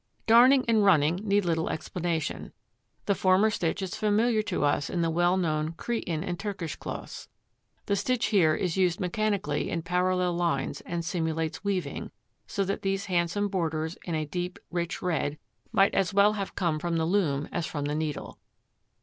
Darning and running need little explanation. The former stitch is familiar to us in the well known Cretan and Turkish cloths: the stitch here is used mechanically in parallel lines, and simulates weaving, so that these handsome borders in a deep rich red might as well have come from the loom as from the needle.